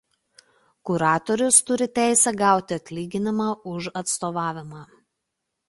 Kuratorius turi teisę gauti atlyginimą už atstovavimą.